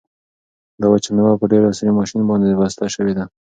دا وچه مېوه په ډېر عصري ماشین باندې بسته شوې ده.